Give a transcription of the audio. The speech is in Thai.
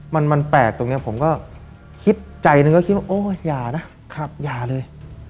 มันแปลกตรงนี้ผมก็คิดใจหนึ่งก็คิดว่าโอ้ยอย่านะอย่าเลย